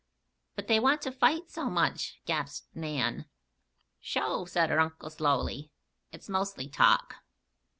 "But they want to fight so much!" gasped Nan. "Sho!" said her uncle, slowly. "It's mostly talk.